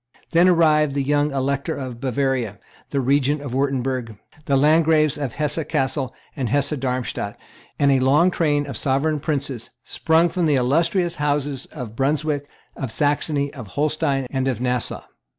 Then arrived the young Elector of Bavaria, the Regent of Wirtemberg, the Landgraves of Hesse Cassel and Hesse Darmstadt, and a long train of sovereign princes, sprung from the illustrious houses of Brunswick, of Saxony, of Holstein, and of Nassau.